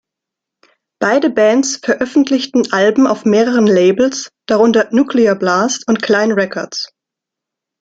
Beide Bands veröffentlichten Alben auf mehreren Labels, darunter Nuclear Blast und Klein Records.